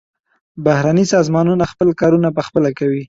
بهرني سازمانونه خپل کارونه پخپله کوي.